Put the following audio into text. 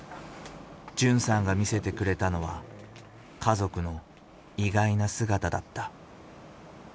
純さんが見せてくれたのは家族の意外な姿だった。